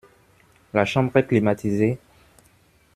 La chambre est climatisée ?